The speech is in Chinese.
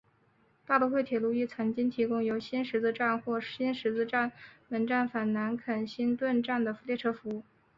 大都会铁路亦曾经提供由新十字站或新十字门站往返南肯辛顿站的列车服务。